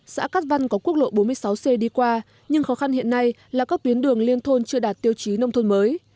xã cát văn có quốc lộ bốn mươi sáu c đi qua nhưng khó khăn hiện nay là các tuyến đường liên thôn chưa đạt tiêu chí nông thôn mới